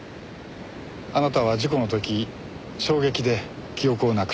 あなたは事故の時衝撃で記憶をなくした。